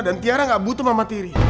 dan tiara gak butuh mama diri